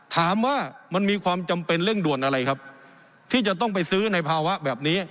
ถามว่ามันมีความจำเป็นเร่งด่วนอะไรครับที่จะต้องไปซื้อในภาวะแบบนี้